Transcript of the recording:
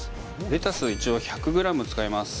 レタスを一応１００ｇ使います